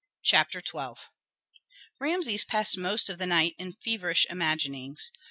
CHAPTER XII Rameses passed most of the night in feverish imaginings.